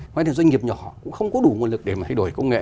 ngoài ra doanh nghiệp nhỏ cũng không có đủ nguồn lực để mà thay đổi công nghệ